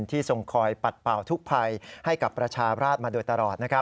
ทรงคอยปัดเป่าทุกภัยให้กับประชาราชมาโดยตลอด